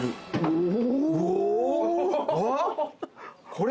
これ。